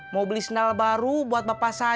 mau beli sendal baru buat bapak saya